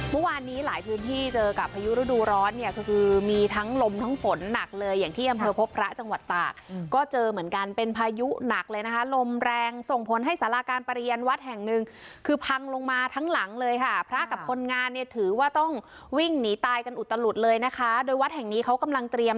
เมื่อวานนี้หลายพื้นที่เจอกับพายุฤดูร้อนเนี่ยก็คือมีทั้งลมทั้งฝนหนักเลยอย่างที่อำเภอพบพระจังหวัดตากก็เจอเหมือนกันเป็นพายุหนักเลยนะคะลมแรงส่งผลให้สาราการประเรียนวัดแห่งหนึ่งคือพังลงมาทั้งหลังเลยค่ะพระกับคนงานเนี่ยถือว่าต้องวิ่งหนีตายกันอุตลุดเลยนะคะโดยวัดแห่งนี้เขากำลังเตรียม